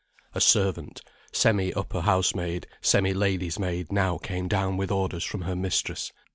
A servant, semi upper housemaid, semi lady's maid, now came down with orders from her mistress.